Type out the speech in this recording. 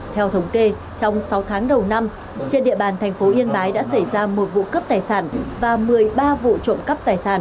theo thống kê trong sáu tháng đầu năm trên địa bàn thành phố yên bái đã xảy ra một vụ cướp tài sản và một mươi ba vụ trộm cắp tài sản